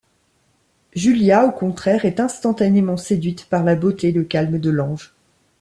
Julia, au contraire, est instantanément séduite par la beauté et le calme de l'ange.